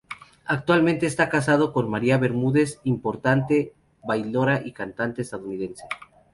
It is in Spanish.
Actualmente está casado con María Bermúdez importante bailaora y cantante estadounidense.